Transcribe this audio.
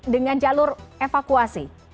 dengan jalur evakuasi